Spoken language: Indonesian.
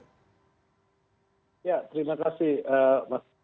ya terima kasih jadi kita harus melihat ini kan diakibatkan oleh dalam hal ini obat